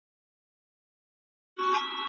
ما او میین شاعر مې